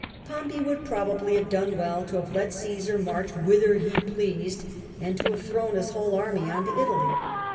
Pompey would probably have done well bo have let Caesar march whither he pleased, and to have thrown his whole army on to Italy.